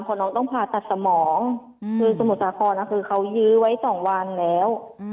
เพราะน้องต้องผ่าตัดสมองคือสมุทรสาครคือเขายื้อไว้๒วันแล้ว